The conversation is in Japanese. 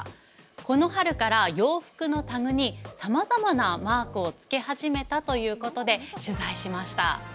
この春から洋服のタグにさまざまなマークをつけ始めたということで取材しました。